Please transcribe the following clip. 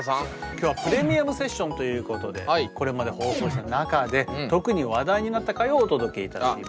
今日は「ＰＲＥＭＩＵＭＳＥＳＳＩＯＮ」ということでこれまで放送した中で特に話題になった回をお届けいたします。